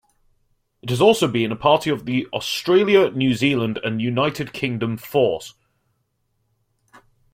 It has also been a party of the Australia, New Zealand, United Kingdom force.